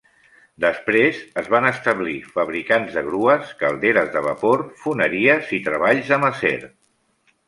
Després es van establir fabricants de grues, calderes de vapor, foneries i treballs amb acer.